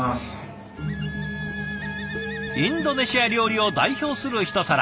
インドネシア料理を代表するひと皿。